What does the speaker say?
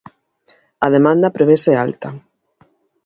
A demanda prevese alta.